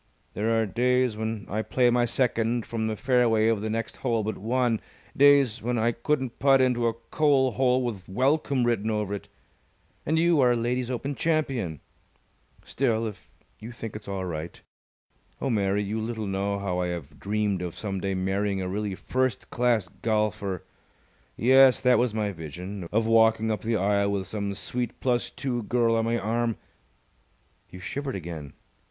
There are days when I play my second from the fairway of the next hole but one, days when I couldn't putt into a coal hole with 'Welcome!' written over it. And you are a Ladies' Open Champion. Still, if you think it's all right . Oh, Mary, you little know how I have dreamed of some day marrying a really first class golfer! Yes, that was my vision of walking up the aisle with some sweet plus two girl on my arm. You shivered again.